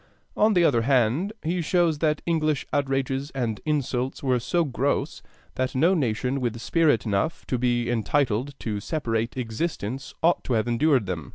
On the other hand, he shows that English outrages and insults were so gross that no nation with spirit enough to be entitled to separate existence ought to have endured them.